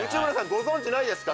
ご存じないですか？